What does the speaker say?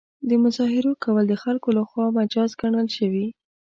د مظاهرو کول د خلکو له خوا مجاز ګڼل شوي.